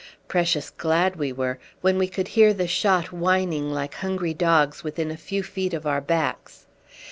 Precious glad we were when we could hear the shot whining like hungry dogs within a few feet of our backs.